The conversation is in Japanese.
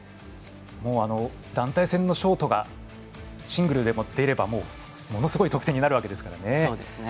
団体戦のショートがシングルでも出ればものすごい得点になるわけですからね。